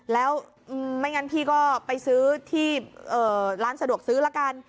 แล้วไม่งั้นพี่ก็ไปซื้อที่ร้านสะดวกซื้อละกัน